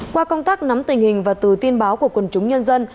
qua công tác nắm tình hình và từ tin báo của quần chúng nhân dân